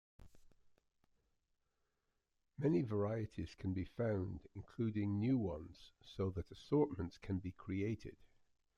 Many varieties can be found, including new ones, so that assortments can be created.